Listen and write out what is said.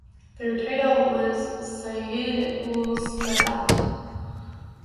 Their title was Sayyid ul Sadaat.